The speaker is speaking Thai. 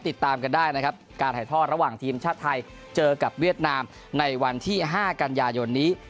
ติดตามกันได้นะครับการถ่ายทอดระหว่างทีมชาติไทยเจอกับเวียดนามในวันที่๕กันยายนนี้